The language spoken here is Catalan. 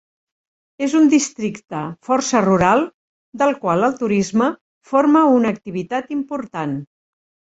És un districte força rural del qual el turisme forma una activitat important.